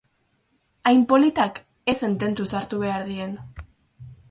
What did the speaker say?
Hain politak ezen tentuz hartu behar diren.